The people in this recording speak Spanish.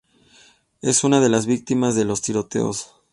Es un de las víctimas de los tiroteos.